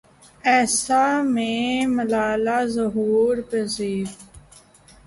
اَیسا میں ملالہ ظہور پزیر